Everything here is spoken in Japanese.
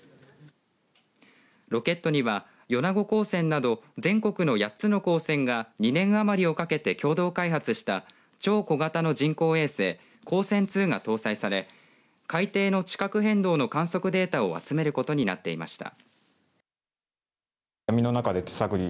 ロケットには米子高専など全国の８つの高専が２年余りをかけて共同開発した超小型の人工衛星ＫＯＳＥＮ‐２が搭載され海底の地殻変動の観測データを集めることになっていました。